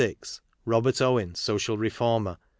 Robert Owen, Social Reformer.